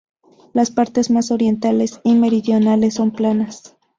Las partes más orientales y meridionales son planas.